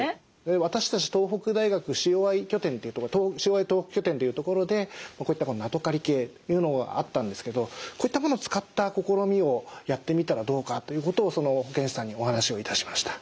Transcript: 私たち東北大学ＣＯＩ東北拠点というところでこういったナトカリ計というものがあったんですけどこういったものを使った試みをやってみたらどうかということをその保健師さんにお話をいたしました。